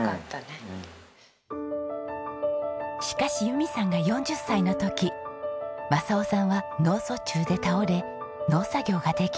しかし由美さんが４０歳の時正雄さんは脳卒中で倒れ農作業ができない体に。